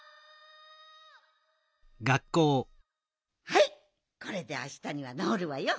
はいこれであしたにはなおるわよ。